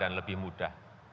dan lebih mudah